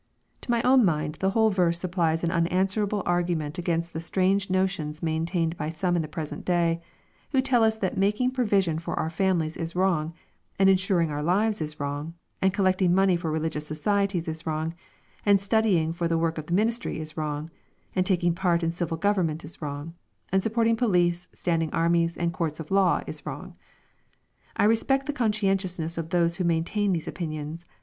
To my own mind the whole verse supplies an unanswerable argument against the strange notions maintained by some in the present day, who tell us that making provision for our families is wrong, — and insuring our lives is wrong, — and collecting money for religious so cieties is wrong, — and studying for the work of the ministry is wrong,— and taking part in civil government is wrong,— and sup porting police, standing armies, and courts of law is wrong. I re spect the conscientiousness of those who maintain these opinions.